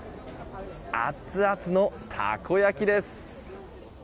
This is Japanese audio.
アツアツのたこ焼きです。